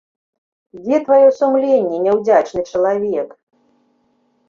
Дзе тваё сумленне, няўдзячны чалавек?